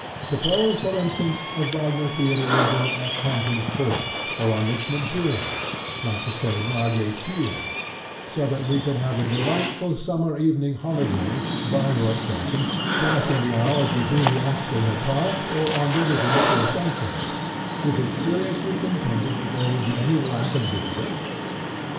Suppose, for instance, a Wagner theatre were built at Hampton Court or on Richmond Hill, not to say Margate pier, so that we could have a delightful summer evening holiday, Bayreuth fashion, passing the hours between the acts in the park or on the river before sunset, is it seriously contended that there would be any lack of visitors?